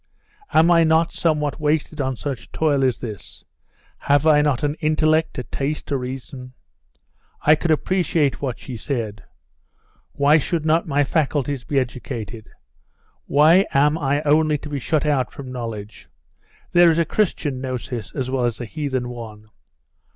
Am I not somewhat wasted on such toil as this? Have I not an intellect, a taste, a reason? I could appreciate what she said. Why should not my faculties be educated? Why am I only to be shut out from knowledge? There is a Christian Gnosis as well as a heathen one.